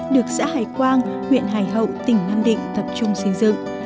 được xã hải quang huyện hải hậu tỉnh nam định tập trung xây dựng